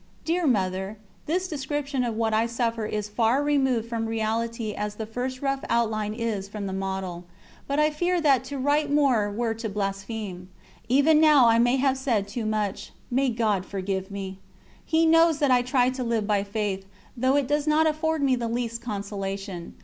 ... Dear Mother, this description of what I suffer is as far removed from reality as the first rough outline is from the model, but I fear that to write more were to blaspheme ... even now I may have said too much. May God forgive me! He knows that I try to live by Faith, though it does not afford me the least consolation.